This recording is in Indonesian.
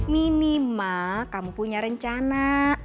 minimal kamu punya rencana